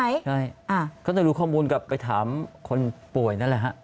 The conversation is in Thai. ใช่เขาต้องรู้ข้อมูลกับไปถามคนป่วยนั่นแหละครับ